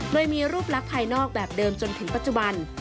โดยมีรูปลักษณ์ภายนอกแบบเดิมจนถึงปัจจุบัน